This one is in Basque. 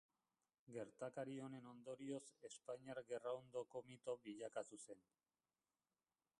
Gertakari honen ondorioz espainiar gerraondoko mito bilakatu zen.